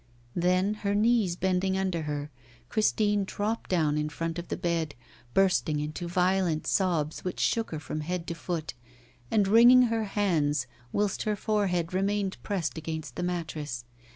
Then, her knees bending under her, Christine dropped down in front of the bed, bursting into violent sobs which shook her from head to foot, and wringing her hands, whilst her forehead remained pressed against the mattress.